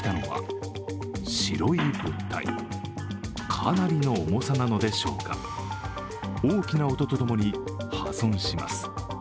かなりの重さなのでしょうか、大きな音とともに破損します。